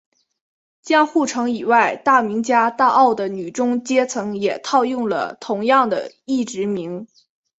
江户城以外大名家大奥的女中阶层也套用了同样的役职名。